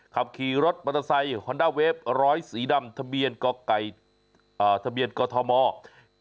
ขับขี่รถมัตตาไซค์ฮอนด้าเวฟร้อยสีดำทะเบียนก่อท้อมอร์